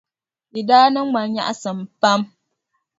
Di daa niŋ ma nyaɣisim pam.